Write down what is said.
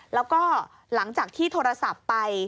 แล้วก็หลังจากที่โทรศัพท์ไป